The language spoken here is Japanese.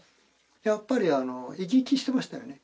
やっぱりあの生き生きしてましたよね